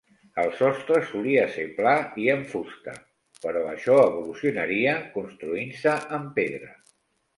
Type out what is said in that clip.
El sostre solia ser pla i en fusta, però això evolucionaria, construint-se en pedra.